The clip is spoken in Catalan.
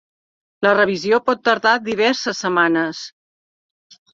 La revisió pot tardar diverses setmanes.